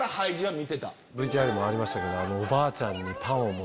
ＶＴＲにもありましたけどおばあちゃんに。